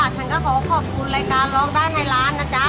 ฉันก็ขอขอบคุณรายการร้องได้ให้ล้านนะจ๊ะ